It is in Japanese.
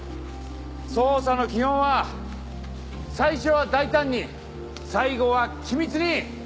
捜査の基本は最初は大胆に最後は緻密に！